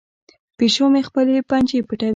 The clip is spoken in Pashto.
پیشو مې خپلې پنجې پټوي.